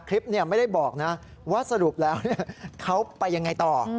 คลิปไม่ได้บอกนะว่าสรุปแล้วเขาไปยังไงต่อ